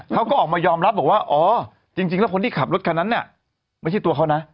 เขาก็ออกมายอมรับบอกว่าอ๋อจริงแล้วคนที่ขับรถคันนั้นเนี่ยไม่ใช่ตัวเขานะ